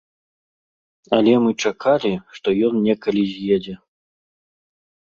Але мы чакалі, што ён некалі з'едзе.